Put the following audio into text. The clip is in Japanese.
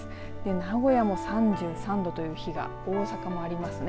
名古屋も３３度という日が大阪もありますね。